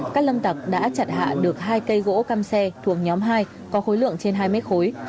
các lâm tặc đã chặt hạ được hai cây gỗ cam xe thuộc nhóm hai có khối lượng trên hai mét khối